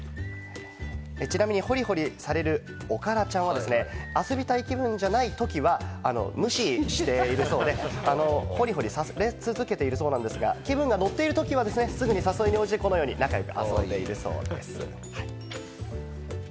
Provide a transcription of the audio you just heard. ちなみに、ほりほりされる、おからちゃんは遊びたい気分じゃないときは無視しているそうで、ほりほりさせ続けているそうですが、気分が乗っているときは誘いにすぐに応じて、このように仲良く遊んでいるそうです。